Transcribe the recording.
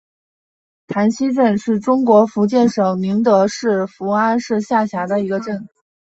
溪潭镇是中国福建省宁德市福安市下辖的一个镇。